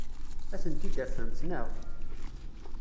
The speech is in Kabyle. Ad tent-id-tafemt, naɣ?